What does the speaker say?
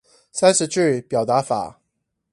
三十句表達法